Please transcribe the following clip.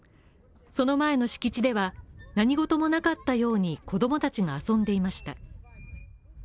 その前の敷地では、何事もなかったように子供たちが遊んでいました。